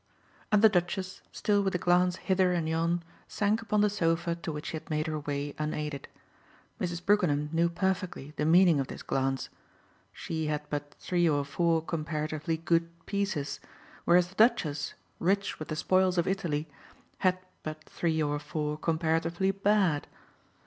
And the Duchess, still with a glance hither and yon, sank upon the sofa to which she had made her way unaided. Mrs. Brookenham knew perfectly the meaning of this glance: she had but three or four comparatively good pieces, whereas the Duchess, rich with the spoils of Italy, had but three or four comparatively bad.